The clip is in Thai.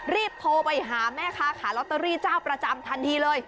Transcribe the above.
รีบโทรไปหาแม่ค้าขายลอตเตอรี่เจ้าประจำทันทีเลย